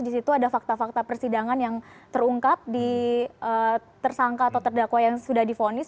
di situ ada fakta fakta persidangan yang terungkap di tersangka atau terdakwa yang sudah difonis